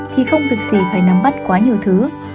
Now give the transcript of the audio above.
thì không thực sự phải nắm bắt quá nhiều thứ